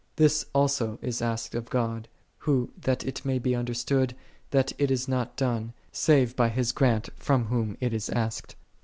This also is asked of God, so that it may be understood that it is not done, save by His grant from Whom it is asked.